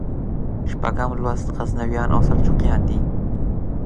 شپږم لوست غزنویان او سلجوقیان دي.